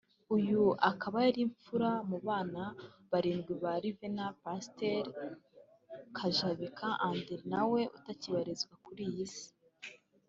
uyu akaba yari imfura mu bana barindwi ba Révérend Pasteur Kajabika André nawe utakibarizwa kuri iyi Si